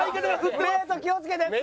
プレート気をつけてって！